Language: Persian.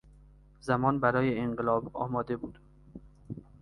زمان برای انقلاب آماده بود.